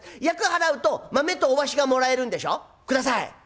厄払うと豆とお足がもらえるんでしょ？下さい」。